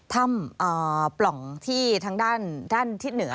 ถ้ำปล่องที่ทางด้านทิศเหนือ